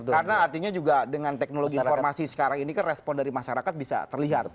karena artinya juga dengan teknologi informasi sekarang ini kan respon dari masyarakat bisa terlihat